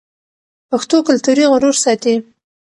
پښتو کلتوري غرور ساتي.